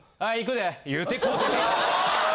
言うてこう。